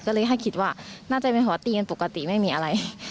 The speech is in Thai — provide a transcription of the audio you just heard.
ก็เลยให้คิดว่าน่าจะเป็นหอตีกันปกติไม่มีอะไร